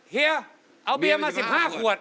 เฮียเอาเบียร์มา๑๕ขวด